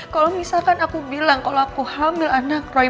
kalau misalkan aku bilang kalau aku hamil anak roy